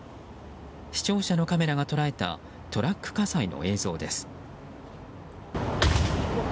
視聴者のカメラが捉えたトラック火災の映像です。